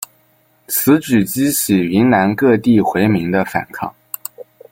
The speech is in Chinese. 此举激起云南各地回民的反抗。